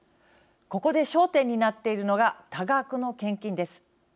ここで焦点になっているのが多額の献金です。